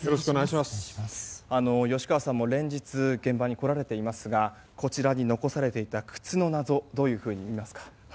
吉川さんも連日現場に来られていますがこちらに残されていた靴の謎どういうふうに見ますか。